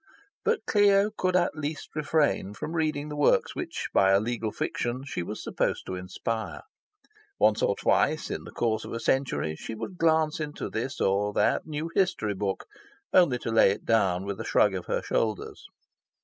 But Clio could at least refrain from reading the works which, by a legal fiction, she was supposed to inspire. Once or twice in the course of a century, she would glance into this or that new history book, only to lay it down with a shrug of her shoulders.